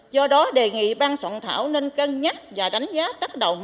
do đó đề nghị ban soạn thảo nên cân nhắc và đánh giá tác động